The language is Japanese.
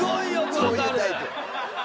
そういうタイプ。